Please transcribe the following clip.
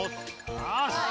よし！